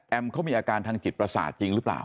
เขามีอาการทางจิตประสาทจริงหรือเปล่า